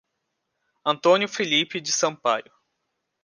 Antônio Felipe de Sampaio